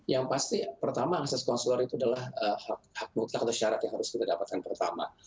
yang pasti pertama akses konselor itu adalah hak mutlak atau syarat yang harus kita dapatkan pertama